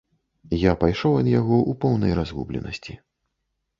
Я пайшоў ад яго ў поўнай разгубленасці.